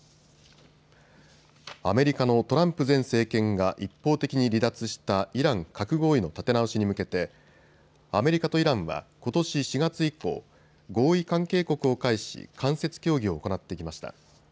アメリカのトランプ前政権が一方的に離脱したイラン核合意の立て直しに向けてアメリカとイランはことし４月以降、合意関係国を介し間接協議を行ってきました。